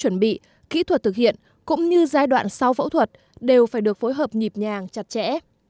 chuẩn bị kỹ thuật thực hiện cũng như giai đoạn sau phẫu thuật đều phải được phối hợp nhịp nhàng chặt chẽ